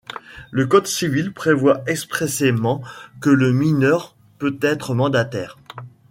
Le code civil prévoit expressément que le mineur peut être mandataire.